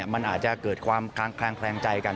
มันอาจจะเกิดความแคลงใจกัน